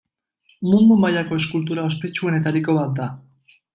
Mundu mailako eskultura ospetsuenetariko bat da.